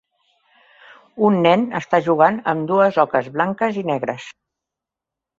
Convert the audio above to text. Un nen està jugant amb dues oques blanques i negres.